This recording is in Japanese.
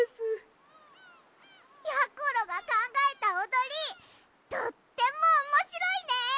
やころがかんがえたおどりとってもおもしろいね！